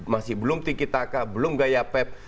masih belum tiki taka belum gaya pep